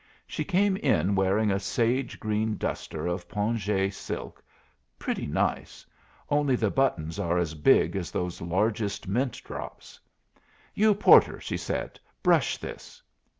She came in wearing a sage green duster of pongee silk, pretty nice, only the buttons are as big as those largest mint drops. "You porter," she said, "brush this."